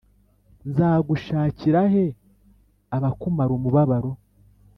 Nzagushakira he abakumara umubabaro?